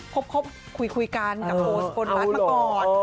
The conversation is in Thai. คบคุยกันกับโฟสต์คนรัสมาก่อน